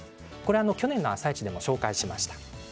去年「あさイチ」でも紹介しました。